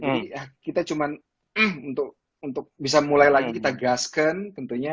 jadi kita cuma untuk bisa mulai lagi kita gaskan tentunya